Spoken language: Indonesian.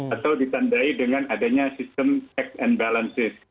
atau ditandai dengan adanya sistem check and balances